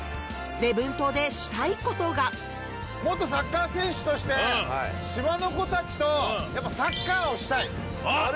礼文島でしたいことが元サッカー選手としてうん島の子たちとやっぱサッカーをしたい！あっ！